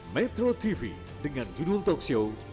metro tv dengan judul talkshow